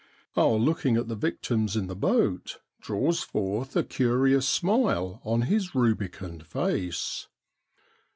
Our looking at the victims in the boat draws forth a curi ous smile on his rubicund face.